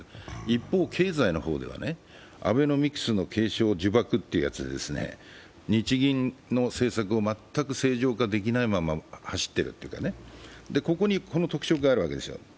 一方経済の方ではアベノミクス継承呪縛ってやつで日銀の政策を全く正常化できないまま走っているというかね、ここに特色があるわけですよ。